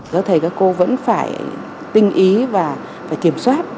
các thầy các cô vẫn phải tinh ý và phải kiểm soát